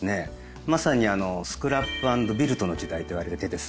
まさにスクラップ＆ビルドの時代って言われてですね